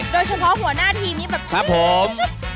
โดยเฉพาะหัวหน้าทีมนี่แบบหื้ม